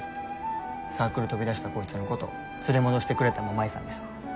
サークル飛び出したこいつのこと連れ戻してくれたんも舞さんです。